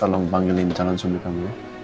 tolong panggilin calon sumber kamu ya